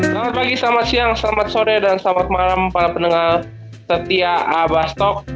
selamat pagi selamat siang selamat sore dan selamat malam para pendengar setia abastok